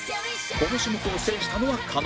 この種目を制したのは狩野